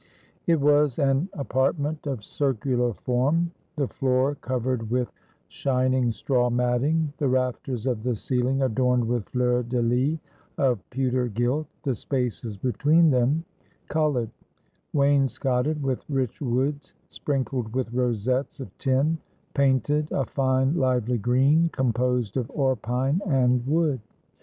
It was an apartment of circular form, the floor covered with shin ing straw matting, the rafters of the ceiHng adorned with fleurs de Hs of pewter gilt, the spaces between them col ored, wainscoted with rich woods, sprinkled with rosettes of tin, painted a fine lively green composed of orpine and wood.